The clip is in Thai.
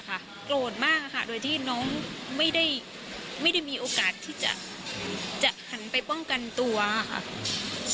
โกรธมากค่ะโดยที่น้องไม่ได้มีโอกาสที่จะหันไปป้องกันตัวค่ะ